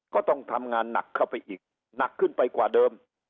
ก็ต้องทำงานหนักเข้าไปอีกหนักขึ้นไปกว่าเดิม